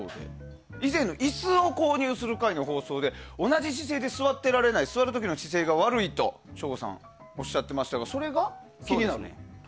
以前、椅子を購入する回の放送で同じ姿勢で座っていられない座る時の姿勢が悪いとおっしゃっていましたがそれが気になると。